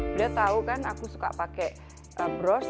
beliau tahu kan aku suka pakai bros